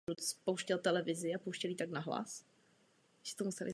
V této oblasti je třeba vyvíjet tlak.